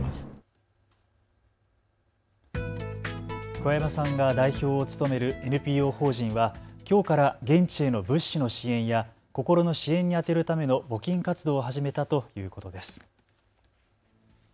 桑山さんが代表を務めるＮＰＯ法人はきょうから現地への物資の支援や心の支援に充てるための募金活動を始めたということです。